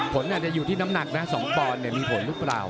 ผลอาจจะอยู่ที่น้ำหนักนะ๒ปอนด์มีผลหรือเปล่า